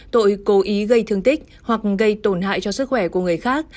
tội cố ý gây thương tích hoặc gây tổn hại cho sức khỏe của người khác